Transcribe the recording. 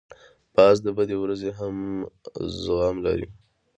باز د بدې ورځې هم زغم لري